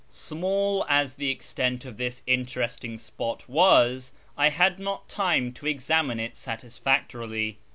Small as the extent of this interesting spot was, I had not time to examine it satisfactorily.